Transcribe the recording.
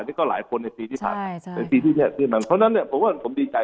นี่ก็หลายคนในปีที่ผ่านเพราะฉะนั้นผมดีใจ